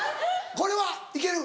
これはいける？